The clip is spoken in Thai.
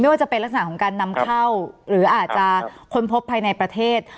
ว่าจะเป็นลักษณะของการนำเข้าหรืออาจจะค้นพบภายในประเทศ